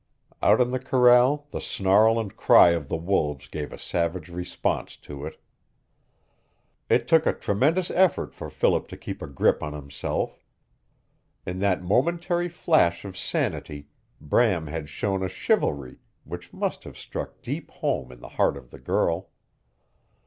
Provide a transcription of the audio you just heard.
Out in the corral the snarl and cry of the wolves gave a savage response to it. It took a tremendous effort for Philip to keep a grip on himself. In that momentary flash of sanity Bram had shown a chivalry which must have struck deep home in the heart of the girl.